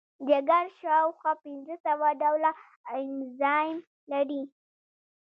جگر شاوخوا پنځه سوه ډوله انزایم لري.